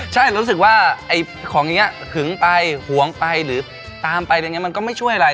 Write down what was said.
ใช่รู้สึกว่าไอ้ของอย่างนี้หึงไปหวงไปหรือตามไปอะไรอย่างนี้มันก็ไม่ช่วยอะไร